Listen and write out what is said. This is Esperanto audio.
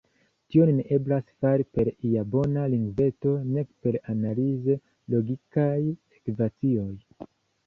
Tion ne eblas fari per ia bona lingveto nek per analize logikaj ekvacioj.